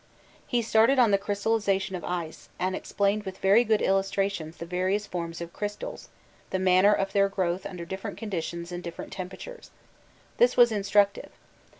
He started on the crystallisation of ice, and explained with very good illustrations the various forms of crystals, the manner of their growth under different conditions and different temperatures. This was instructive.